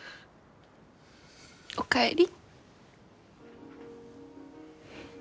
おかえり。